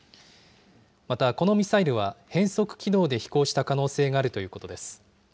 またこのミサイルは変則軌道で飛行した可能性があるということです。